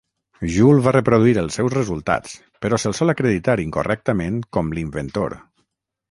Joule va reproduir els seus resultats, però se'l sol acreditar incorrectament com l'inventor.